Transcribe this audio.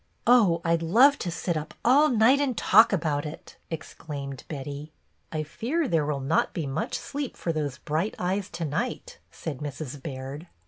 " Oh, I 'd love to sit up all night and talk about it," exclaimed Betty. BETTY HEARS GREAT NEWS 15 "I fear there will not be much sleep for those bright eyes to night," said Mrs. Baird.